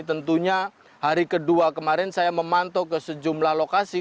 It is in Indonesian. tentunya hari kedua kemarin saya memantau ke sejumlah lokasi